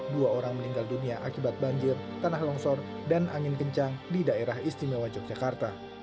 dua orang meninggal dunia akibat banjir tanah longsor dan angin kencang di daerah istimewa yogyakarta